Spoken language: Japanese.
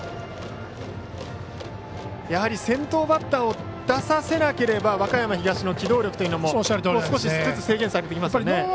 やはり先頭バッターを出させなければ和歌山東の機動力というのも少しずつ制限されてきますよね。